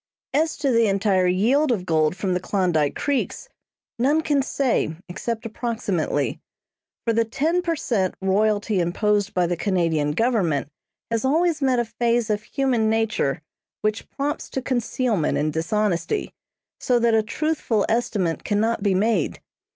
As to the entire yield of gold from the Klondyke Creeks, none can say except approximately; for the ten per cent. royalty imposed by the Canadian government has always met a phase of human nature which prompts to concealment and dishonesty, so that a truthful estimate cannot be made.